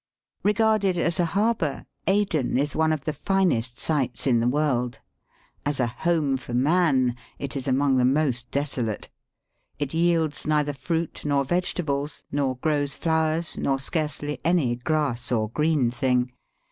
Eegaeded as a harbour^ Aden is one of the j&nest sites in the world. As a home for man it is among the most desolate. It yields neither fruit nor vegetables, nor grows flowers, nor scarcely any grass or green thing.